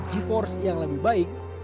g force yang lebih baik